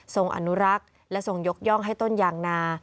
อนุรักษ์และทรงยกย่องให้ต้นยางนา